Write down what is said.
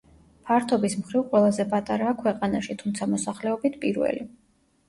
ფართობის მხრივ ყველაზე პატარაა ქვეყანაში, თუმცა მოსახლეობით პირველი.